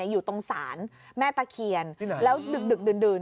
อยู่ตรงศาลแม่ตะเคียนแล้วดึกดื่น